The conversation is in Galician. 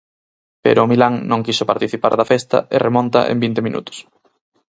Pero o Milán non quixo participar da festa e remonta en vinte minutos.